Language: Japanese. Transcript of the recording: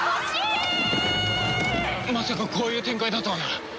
まさかこういう展開だとはな。